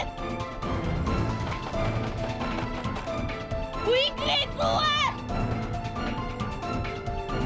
bu ingrid keluar